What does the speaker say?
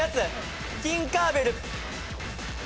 ティンカー・ベル。